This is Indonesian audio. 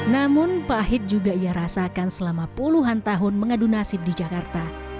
namun pahit juga ia rasakan selama puluhan tahun mengadu nasib di jakarta